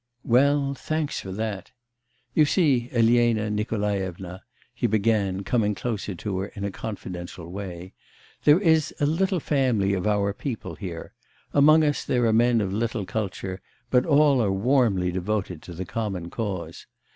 'Well thanks for that. You see, Elena Nikolaevna,' he began, coming closer to her in a confidential way, 'there is a little family of our people here; among us there are men of little culture; but all are warmly devoted to the common cause.